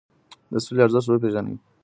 د سولي ارزښت وپیرژنئ.